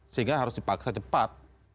sehingga harus dipaksa cepat